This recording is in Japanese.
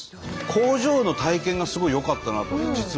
工場の体験がすごいよかったなと実は。